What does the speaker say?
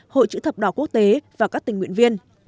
hội chữ thập đỏ quốc tế và các tình nguyện viên